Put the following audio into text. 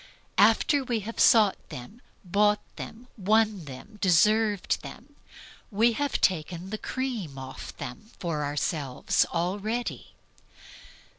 After we have sought them, bought them, won them, deserved them, we have taken the cream off them for ourselves already.